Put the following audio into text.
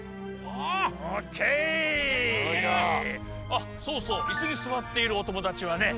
あっそうそういすに座っているおともだちはね